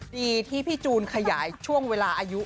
ดีที่พี่จูนขยายช่วงเวลาอายุ